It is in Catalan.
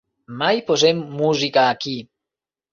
Mai posem música aquí.